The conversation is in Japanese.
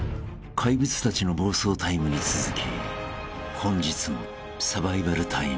［怪物たちの暴走タイムに続き本日もサバイバルタイム］